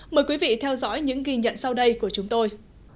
mời quý vị theo dõi những ghi nhận sau đây của chúng tôi